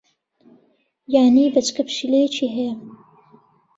یانی بەچکە پشیلەیەکی ھەیە.